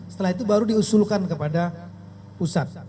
setelah itu baru diusulkan kepada pusat